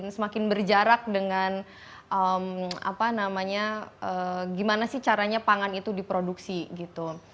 semakin berjarak dengan apa namanya gimana sih caranya pangan itu diproduksi gitu